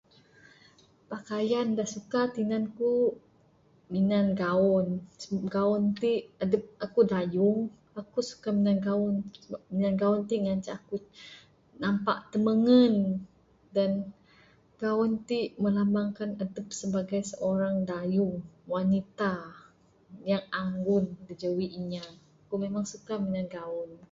Pakaian da suka tinan ku minan gaun...gaun ti adep aku dayung...aku suka minan gaun...minan gaun ti ngancak aku nampak timungen dan gaun ti melambangkan adep sibagai dayung...wanita yang anggun da jawi inya...ku suka minan gaun.